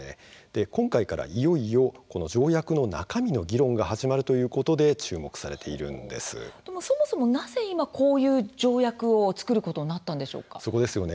今回からいよいよ条約の中身の議論が始まるというそもそもなぜ今こういう条約を作ることになったんですか。